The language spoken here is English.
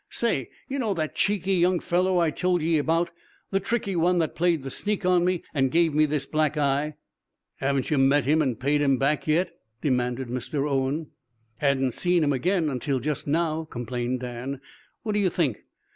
"Say, you know that cheeky young fellow I told ye about the tricky one that played the sneak on me, and gave me this black eye?" "Haven't you met him and paid him back yet?" demanded Mr. Owen. "Hadn't seen him again, until just now," complained Dan. "What do you think?